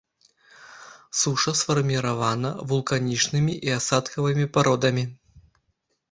Суша сфарміравана вулканічнымі і асадкавымі пародамі.